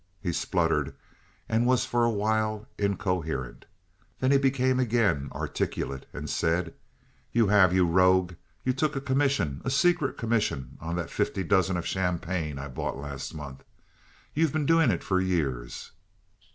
He spluttered and was for a while incoherent. Then he became again articulate and said: "You have, you rogue! You took a commission a secret commission on that fifty dozen of champagne I bought last month. You've been doing it for years."